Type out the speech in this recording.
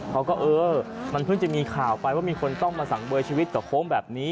เขาก็เออมันเพิ่งจะมีข่าวไปว่ามีคนต้องมาสังเวยชีวิตกับโค้งแบบนี้